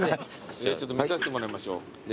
ちょっと見させてもらいましょう。